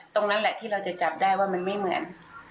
ตรงนั้นแหละที่เราจะจับได้ว่ามันไม่เหมือน